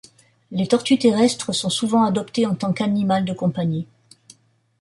Les tortues terrestres sont souvent adoptées en tant qu'animal de compagnie.